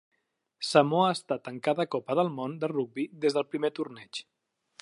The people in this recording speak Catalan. Samoa ha estat en cada Copa del Món de Rugbi des del primer torneig.